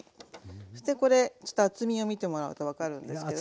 そしてこれちょっと厚みを見てもらうと分かるんですけど。